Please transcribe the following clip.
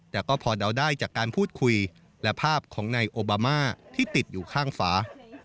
แต่ก็พอเดาได้จากการพูดคุยและภาพของนายโอบามาที่ติดอยู่ข้างฝา